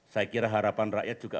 saya kira harapan rakyat juga